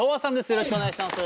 よろしくお願いします。